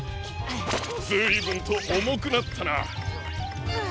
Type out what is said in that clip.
ずいぶんとおもくなったな。